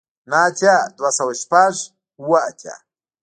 نه اتیای دوه سوه شپږ اوه اتیا